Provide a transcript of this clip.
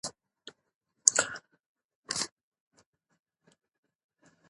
هغه تل د حق او عدالت په لټه کې و.